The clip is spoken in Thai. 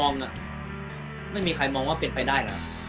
ไม่มีใครมองเป็นไปได้แหละ